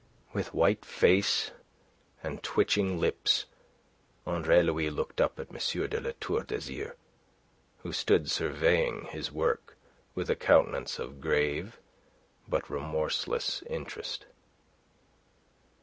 With white face and twitching lips, Andre Louis looked up at M. de La Tour d'Azyr, who stood surveying his work with a countenance of grave but remorseless interest.